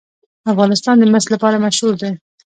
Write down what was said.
افغانستان د مس لپاره مشهور دی.